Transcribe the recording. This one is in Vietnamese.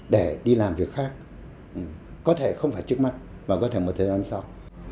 để đi làm việc khác có thể không phải trước mắt mà có thể một thời gian sau